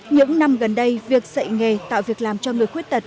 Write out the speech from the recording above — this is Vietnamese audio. những năm gần đây việc dạy nghề tạo việc làm cho người khuyết tật